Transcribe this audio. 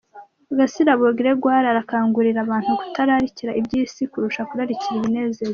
Gasirabo Gregoir arakangurira abantu kutararikira iby'iyi si kurusha kurarikira ibinezeza Imana.